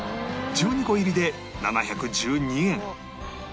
１２個入りで７１２円